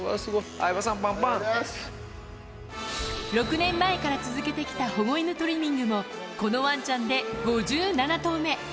相葉さん、６年前から続けてきた保護犬トリミングも、このわんちゃんで５７頭目。